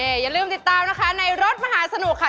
อย่าลืมติดตามนะคะในรถมหาสนุกค่ะ